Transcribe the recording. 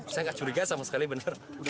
saya gak curiga sama sekali bener